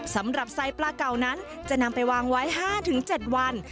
สำหรับไซปลาเก่านั้นจะนำไปวางไว้๕๗วัน